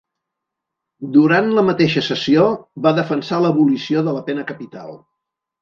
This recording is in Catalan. Durant la mateixa sessió, va defensar l'abolició de la pena capital.